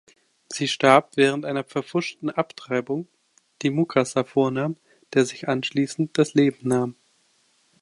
Sie starb während einer verpfuschten Abtreibung, die Mukasa vornahm, der sich anschließend das Leben nahm.